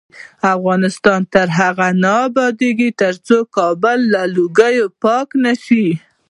افغانستان تر هغو نه ابادیږي، ترڅو کابل له لوګیو پاک نشي.